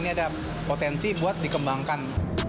ini ada potensi buat dikembangkan